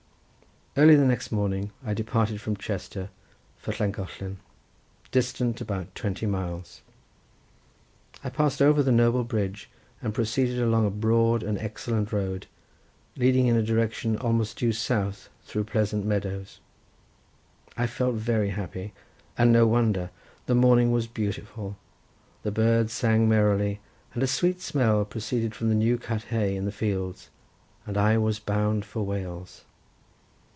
Early the next morning I departed from Chester for Llangollen, distant about twenty miles; I passed over the noble bridge and proceeded along a broad and excellent road, leading in a direction almost due south through pleasant meadows. I felt very happy—and no wonder; the morning was beautiful, the birds sang merrily, and a sweet smell proceeded from the new cut hay in the fields, and I was bound for Wales.